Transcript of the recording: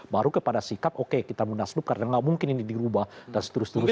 baru kepada sikap oke kita munaslup karena nggak mungkin ini dirubah dan seterusnya